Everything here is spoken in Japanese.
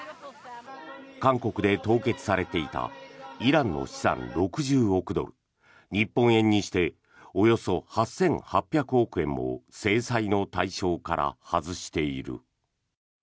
韓国で凍結されていたイランの資産６０億ドル日本円にしておよそ８８００億円も制裁の対象から外している。